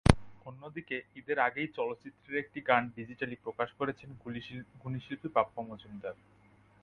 অন্যদিকে, ঈদের আগেই চলচ্চিত্রের একটি গান ডিজিটালি প্রকাশ করেছেন গুণী শিল্পী বাপ্পা মজুমদার।